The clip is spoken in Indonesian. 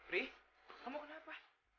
rih kamu kenapa